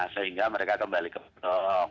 sehingga mereka kembali ke blok